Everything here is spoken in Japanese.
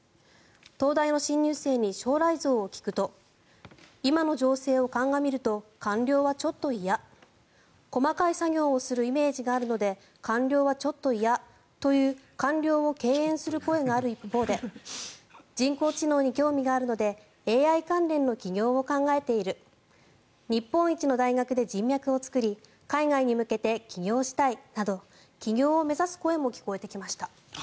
東大の新入生に将来像を聞くと今の情勢を鑑みると官僚はちょっと嫌細かい作業をするイメージがあるので官僚はちょっと嫌という官僚を敬遠する声がある一方で人工知能に興味があるのでＡＩ関連の起業を考えている日本一の大学で人脈を作り海外に向けて起業したいなど起業を目指す声も聞こえてきました。